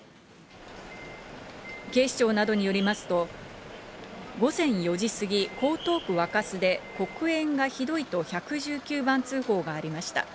警視庁などによりますと、午前４時過ぎ、江東区若洲で黒煙がひどいと１１９番通報がありました。